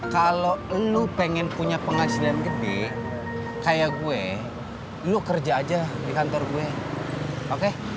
kalau lo pengen punya penghasilan gede kayak gue lu kerja aja di kantor gue oke